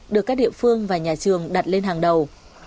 được các địa phương và nhà trường đặt lên hàng đầu